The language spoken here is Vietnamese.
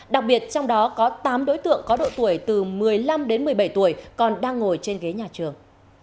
đặc biệt trong đó có tám đối tượng có độ tuổi từ một mươi năm đến một mươi bảy tuổi còn đang ngồi trên ghế nhà trường